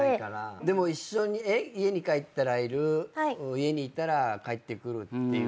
でも一緒に家に帰ったらいる家にいたら帰ってくるっていう生活は悪くないですか？